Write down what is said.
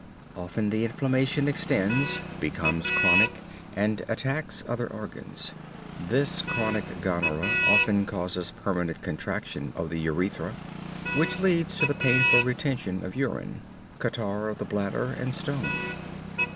Often the inflammation extends, becomes chronic and attacks other organs. This chronic gonorrhea often causes permanent contraction of the urethra, which leads to the painful retention of urine, catarrh of the bladder, and stone.